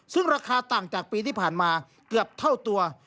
ซึ่งราคาต่างจากปีที่ผ่านมาเกือบเท่าตัว